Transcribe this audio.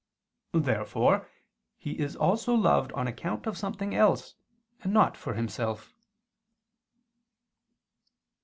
Therefore He is also loved on account of something else and not for Himself.